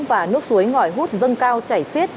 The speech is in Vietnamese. và nước suối ngòi hút dâng cao chảy xiết